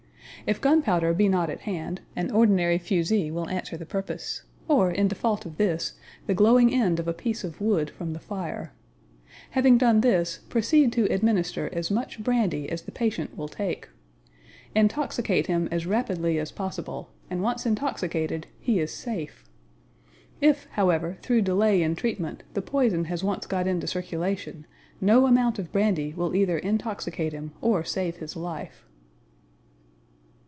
If gunpowder be not at hand, an ordinary fusee will answer the purpose: or, in default of this, the glowing end of a piece of wood from the fire. Having done this, proceed to administer as much brandy as the patient will take. Intoxicate him as rapidly as possible, and, once intoxicated, he is safe. If, however, through delay in treatment, the poison has once got into circulation no amount of brandy will either intoxicate him or save his life.